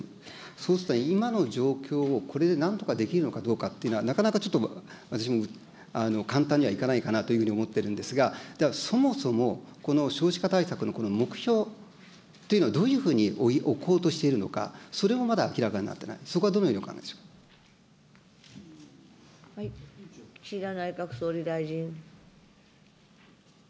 そうすると、今の状況をこれでなんとかできるのかどうかってのは、なかなかちょっと私も簡単にはいかないかなというふうに思っているんですが、そもそも、この少子化対策のこの目標というのをどういうふうに置こうとしているのか、それもまだ明らかになっていない、そこはどのようにお岸田内閣総理大臣。